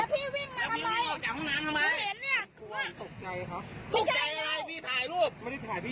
แล้วพี่วิ่งแล้วหนูเห็นอยู่กล้องอยู่